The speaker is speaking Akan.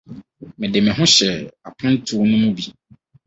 Mede me ho hyɛɛ apontow no mu bi.